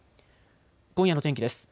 今夜の天気です。